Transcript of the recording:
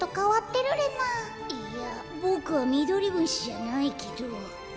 いやボクはミドリムシじゃないけど。